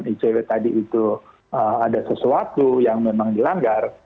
icw tadi itu ada sesuatu yang memang dilanggar